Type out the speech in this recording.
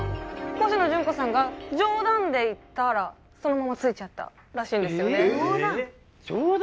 コシノジュンコさんが冗談で言ったらそのまま付いちゃったらしいんですよねえっ冗談？